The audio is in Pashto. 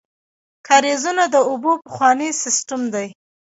کاریزونه د اوبو پخوانی سیسټم دی.